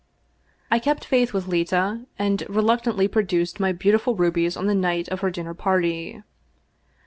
I kept faith with Leta, and reluctantly produced my beautiful rubies on the night of her dinner party.